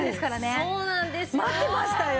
そうなんですよ。